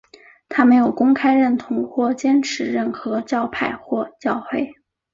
他没有公开认同或坚持任何教派或教会。